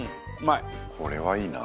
これはいいな。